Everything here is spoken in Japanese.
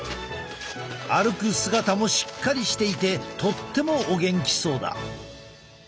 歩く姿もしっかりしていてとってもお元気そうだ。